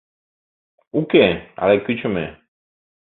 — Уке, але кӱчымӧ...